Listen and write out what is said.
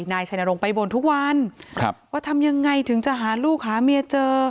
นายชัยนรงค์ไปบ่นทุกวันว่าทำยังไงถึงจะหาลูกหาเมียเจอ